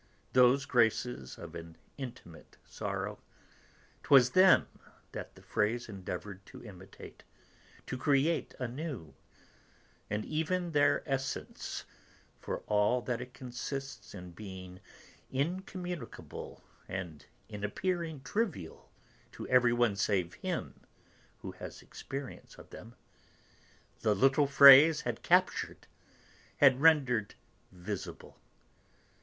Those graces of an intimate sorrow, 'twas them that the phrase endeavoured to imitate, to create anew; and even their essence, for all that it consists in being incommunicable and in appearing trivial to everyone save him who has experience of them, the little phrase had captured, had rendered visible.